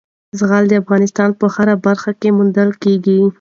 زغال د افغانستان په هره برخه کې موندل کېږي.